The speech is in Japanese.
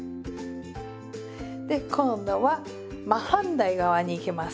で今度は真反対側にいきます。